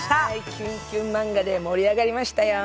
キュンキュンのマンガで盛り上がりましたよ。